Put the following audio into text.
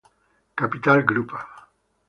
Capital Group.